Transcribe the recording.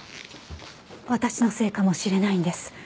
私のせいかもしれないんです。